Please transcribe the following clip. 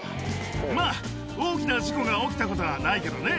まあ、大きな事故が起きたことはないけどね。